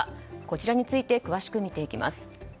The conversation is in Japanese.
こちらについて詳しく見ていきます。